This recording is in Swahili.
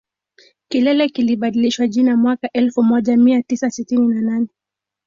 Kilele kilibadilishiwa jina mwaka elfu moja mia tisa sitini na nne